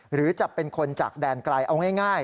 หรือจะเป็นคนจากแดนไกลเอาง่าย